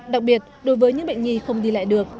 đặc biệt đối với những bệnh nhi không đi lại được